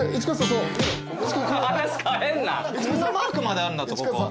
こんなマークまであるんだぞ。